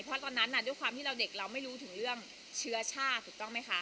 เพราะตอนนั้นด้วยความที่เราเด็กเราไม่รู้ถึงเรื่องเชื้อชาติถูกต้องไหมคะ